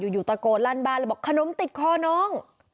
อยู่ตะโกนลั่นบ้านเลยบอกขนมติดคอน้อง